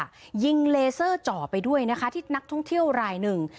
ยิงเลเซอร์จ่อไปด้วยนะคะที่นักท่องเที่ยวรายหนึ่ง